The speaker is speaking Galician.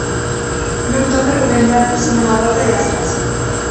Non toca Rubén Duarte senón a bota de Aspas.